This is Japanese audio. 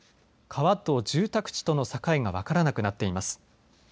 川と住宅地との境が分からなくなっています。